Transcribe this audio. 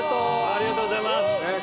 ありがとうございます。